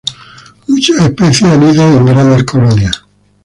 Muchas especies anidan en grandes colonias.